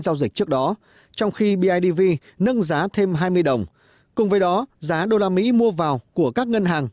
giao dịch trước đó trong khi bidv nâng giá thêm hai mươi đồng cùng với đó giá usd mua vào của các ngân hàng